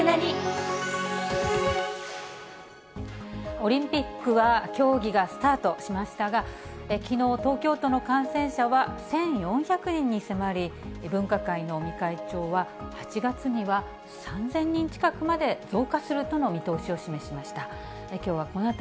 オリンピックは競技がスタートしましたが、きのう、東京都の感染者は１４００人に迫り、分科会の尾身会長は、８月には３０００人近くまで増加するとの見通しを示しました。